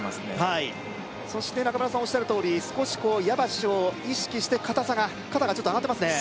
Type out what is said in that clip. はいそして中村さんおっしゃるとおり少しこう矢橋を意識して硬さが肩がちょっと上がってますね